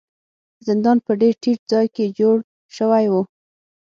زندان په ډیر ټیټ ځای کې جوړ شوی و.